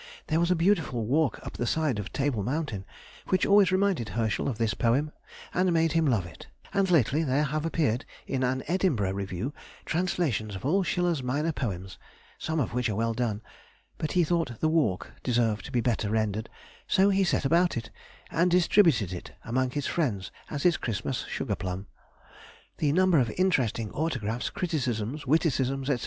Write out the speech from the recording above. There was a beautiful walk up the side of Table Mountain which always reminded Herschel of this poem, and made him love it; and lately there have appeared in an Edinburgh Review translations of all Schiller's minor poems, some of which are well done; but he thought "The Walk" deserved to be better rendered, so he set about it, and distributed it among his friends as his Christmas sugarplum. The number of interesting autographs, criticisms, witticisms, &c.